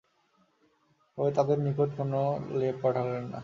তবে তাদের নিকট কোন লেপ পাঠালেন না।